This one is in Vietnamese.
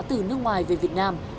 từ nước ngoài về việt nam